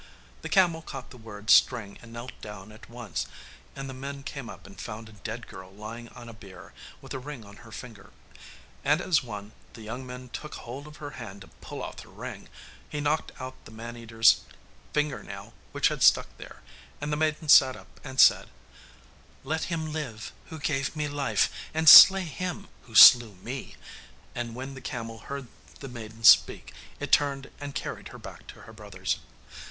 The camel caught the word 'string' and knelt down at once, and the men came up and found a dead girl lying on a bier, with a ring on her finger. And as one of the young men took hold of her hand to pull off the ring, he knocked out the man eater's finger nail, which had stuck there, and the maiden sat up and said, 'Let him live who gave me life, and slay him who slew me!' And when the camel heard the maiden speak, it turned and carried her back to her brothers.